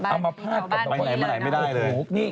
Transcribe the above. อัมาภาพแต่ตระกดก็ไหนไม่ได้เลย